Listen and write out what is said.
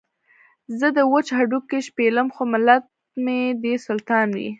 زه دې وچ هډوکي شپېلم خو ملت مې دې سلطان وي.